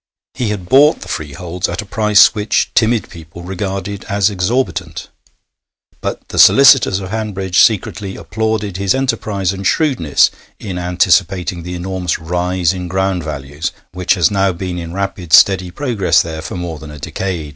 He had bought the freeholds at a price which timid people regarded as exorbitant, but the solicitors of Hanbridge secretly applauded his enterprise and shrewdness in anticipating the enormous rise in ground values which has now been in rapid, steady progress there for more than a decade.